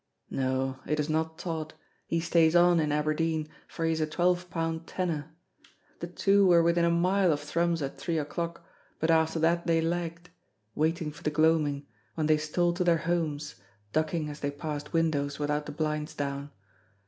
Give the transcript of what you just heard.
No, it is not Tod, he stays on in Aberdeen, for he is a twelve pound tenner. The two were within a mile of Thrums at three o'clock, but after that they lagged, waiting for the gloaming, when they stole to their homes, ducking as they passed windows without the blinds down.